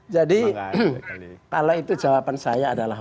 jadi kalau itu jawaban saya adalah